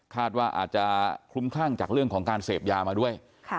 ว่าอาจจะคลุ้มคลั่งจากเรื่องของการเสพยามาด้วย